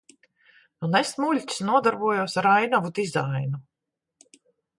Un es, muļķis, nodarbojos ar ainavu dizainu.